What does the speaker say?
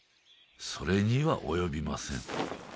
それには及びません。